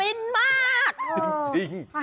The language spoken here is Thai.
โอ้มันฟินมาก